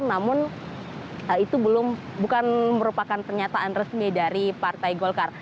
namun itu bukan merupakan pernyataan resmi dari partai golkar